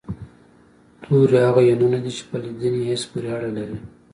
توري هغه يوونونه دي چې په لیدني حس پورې اړه لري